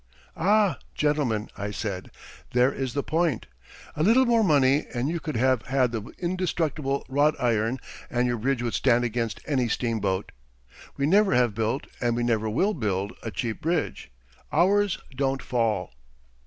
"Ah, gentlemen," I said, "there is the point. A little more money and you could have had the indestructible wrought iron and your bridge would stand against any steamboat. We never have built and we never will build a cheap bridge. Ours don't fall."